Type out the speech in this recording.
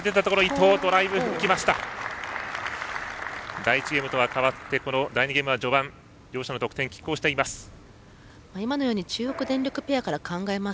第１ゲームとは変わって第２ゲームは序盤、両者の得点きっ抗しています。